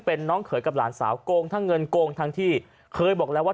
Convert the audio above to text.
เป็นน้องเขยกับหลานสาวโกงทั้งเงินโกงทั้งที่เคยบอกแล้วว่า